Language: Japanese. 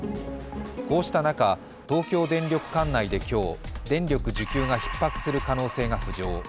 こうした中、東京電力管内で今日、電力需給がひっ迫する可能性が浮上。